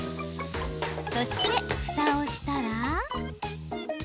そして、ふたをしたら。